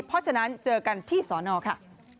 เพราะฉะนั้นเจอกันที่สอนอค่ะ